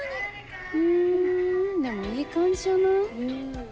ふんでもいい感じじゃない？